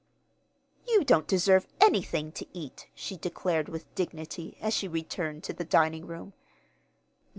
"You don't deserve anything to eat," she declared with dignity, as she returned to the dining room.